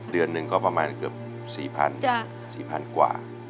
เดือนหนึ่งก็ประมาณเกือบ๔๐๐๔๐๐๐กว่า